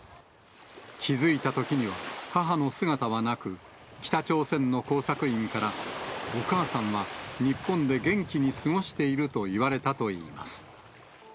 気付いたときには、母の姿はなく、北朝鮮の工作員から、お母さんは日本で元気に過ごしていると言われたといいます。